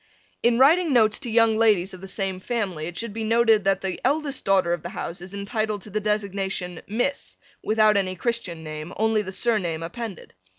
In writing notes to young ladies of the same family it should be noted that the eldest daughter of the house is entitled to the designation Miss without any Christian name, only the surname appended.